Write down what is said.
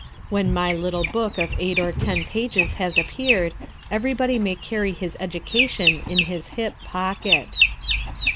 When my little book of eight or ten pages has appeared, everybody may carry his education in his hip pocket.